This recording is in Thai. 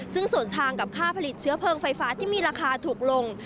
ซึ่งส่วนทางกับค่าผลิตเชื้อเพลิงไฟฟ้าที่มีราคาถูกลง